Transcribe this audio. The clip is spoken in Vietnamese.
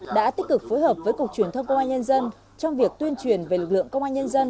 đã tích cực phối hợp với cục truyền thông công an nhân dân trong việc tuyên truyền về lực lượng công an nhân dân